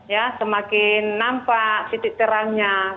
ya semakin nampak titik terangnya